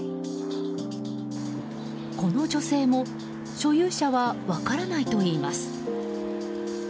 この女性も所有者は分からないといいます。